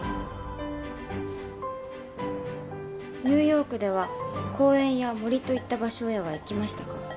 ニューヨークでは公園や森といった場所へは行きましたか？